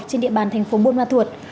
trên địa bàn thành phố buôn ma thuật